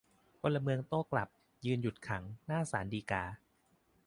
พลเมืองโต้กลับ ยืนหยุดขัง หน้าศาลฎีกา